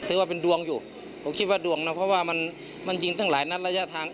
ถือว่าเป็นดวงอยู่ผมคิดว่าดวงนะเพราะว่ามันมันยิงตั้งหลายนัดระยะทาง